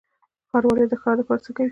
ښاروالي د ښار لپاره څه کوي؟